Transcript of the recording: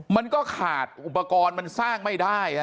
มันก็ขาดอุปกรณ์มันสร้างไม่ได้